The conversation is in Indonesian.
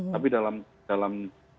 tapi dalam dalam